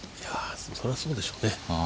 そりゃそうでしょうね。